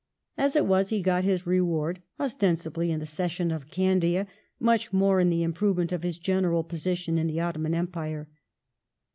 As it was he got his reward, ostensibly in the cession of Candia, much more in the improvement of his general position in the Ottoman Empire.